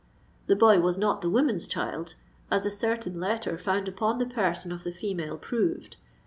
The boy was not the woman's child—as a certain letter found upon the person of the female proved.